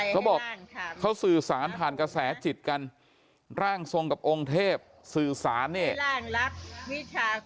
เขาบอกเขาสื่อสารผ่านกระแสจิตกันร่างทรงกับองค์เทพสื่อสารเนี่ย